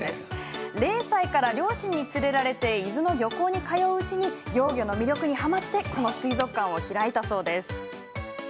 ０歳から両親に連れられて伊豆の漁港に通ううちに幼魚の魅力に、はまってこの水族館を開いたそうです。